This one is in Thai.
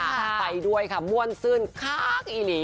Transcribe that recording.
ไปด้วยค่ะม่วนซื่นค้างอีหลี